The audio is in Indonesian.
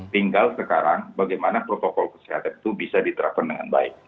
tinggal sekarang bagaimana protokol kesehatan itu bisa diterapkan dengan baik